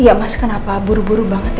iya mas kenapa buru buru banget